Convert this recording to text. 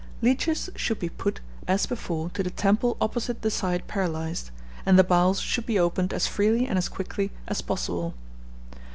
Leeches should be put, as before, to the temple opposite the side paralyzed; and the bowels should be opened as freely and as quickly as possible.